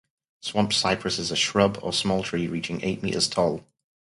Swamp cypress is a shrub or small tree, reaching eight metres tall.